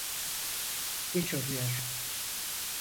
Geç oluyor.